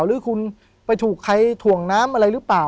ผมก็ไม่เคยเห็นว่าคุณจะมาทำอะไรให้คุณหรือเปล่า